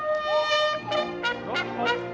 อัศวินธรรมชาติ